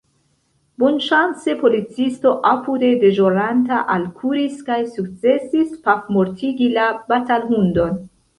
Bonŝance policisto apude deĵoranta alkuris kaj sukcesis pafmortigi la batalhundon.